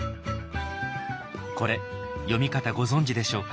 これ読み方ご存じでしょうか？